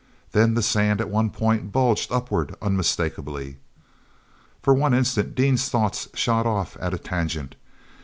Then the sand at one point bulged upward unmistakably. For one instant Dean's thoughts shot off at a tangent.